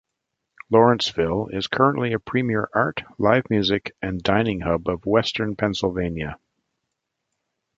Lawrenceville is currently a premier art, live music, and dining hub of Western Pennsylvania.